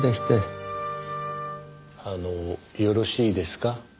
あのよろしいですか？